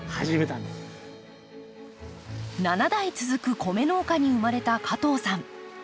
７代続く米農家に生まれた加藤さん。